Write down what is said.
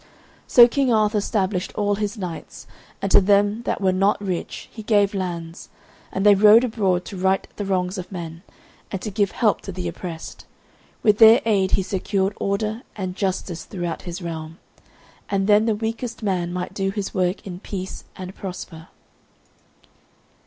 So King Arthur stablished all his knights, and to them that were not rich he gave lands; and they rode abroad to right the wrongs of men, and to give help to the oppressed. With their aid he secured order and justice throughout his realm, and then the weakest man might do his work in peace, and prosper.